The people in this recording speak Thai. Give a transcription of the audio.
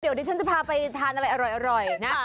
เดี๋ยวดิฉันจะพาไปทานอะไรอร่อยนะ